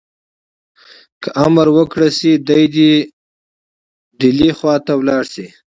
که امر وکړای شي دی دي ډهلي خواته ولاړ شي.